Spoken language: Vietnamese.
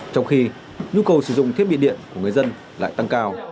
trong khi nhu cầu sử dụng thiết bị điện của người dân lại tăng cao